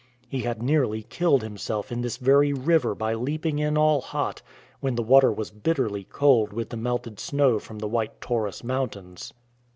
He had nearly killed himself in this very river by leaping in all hot when the water was bitterly cold with the melted snow from the white Taurus mountains.